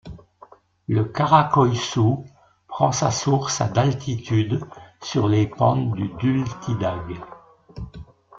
Le Kara-Koïssou prend sa source à d'altitude sur les pentes du Dültydag.